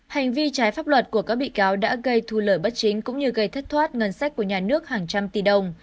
hành vi trái pháp luật của các bị cáo đã gây thu lợi bất chính cũng như gây thất thoát ngân sách của nhà nước hàng trăm tỷ đồng